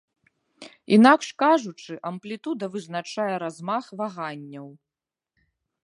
Інакш кажучы, амплітуда вызначае размах ваганняў.